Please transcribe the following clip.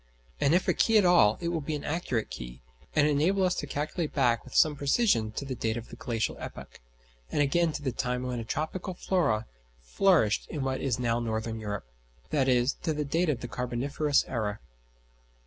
And if a key at all, it will be an accurate key, and enable us to calculate back with some precision to the date of the glacial epoch; and again to the time when a tropical flora flourished in what is now northern Europe, i.e. to the date of the Carboniferous era.